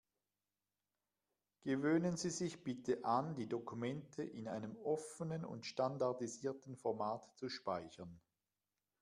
Gewöhnen Sie sich bitte an, die Dokumente in einem offenen und standardisierten Format zu speichern.